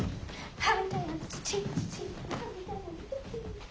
はい。